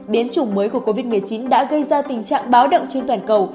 biến chủng mới của covid một mươi chín đã gây ra tình trạng báo động trên toàn cầu